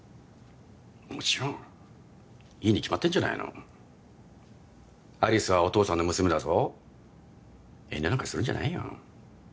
もちろんいいに決まってんじゃないの有栖はお父さんの娘だぞ遠慮なんかするんじゃないよ